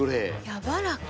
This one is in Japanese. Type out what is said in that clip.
やわらか。